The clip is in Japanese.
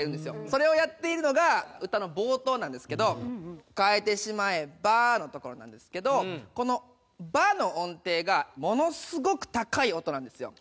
それをやっているのが歌の冒頭なんですけど「変えてしまえば」のところなんですけどこの「ば」の音程がものすごく高い音なんですよ。